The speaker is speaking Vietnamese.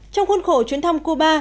trong khuôn khổ chuyến thăm cuba